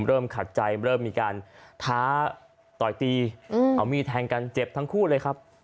เริ่มขัดใจเริ่มมีการท้าต่อยตีเอามีดแทงกันเจ็บทั้งคู่เลยครับ